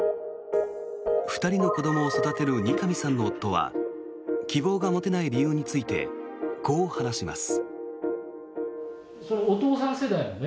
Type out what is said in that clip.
２人の子どもを育てる二上さんの夫は希望が持てない理由についてこう話します。